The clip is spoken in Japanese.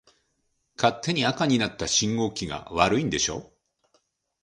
勝手に赤になった信号機が悪いんでしょ。